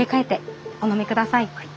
はい。